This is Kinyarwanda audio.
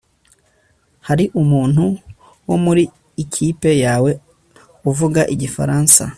Hari umuntu wo mu ikipe yawe uvuga igifaransa